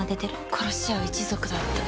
「殺し合う一族だって」